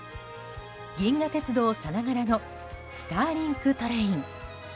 銀河鉄道さながらの「スターリンク」トレイン。